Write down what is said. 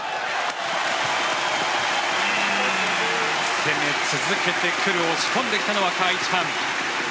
攻め続けてくる押し込んできたのはカ・イチハン。